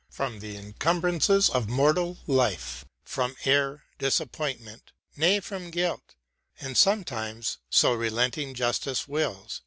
From the encumbrances of mortal life, From error, disappointment — ^nay from guilt ; And sometimes, so relenting justice wills.